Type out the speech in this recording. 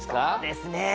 そうですね